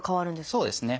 そうですね。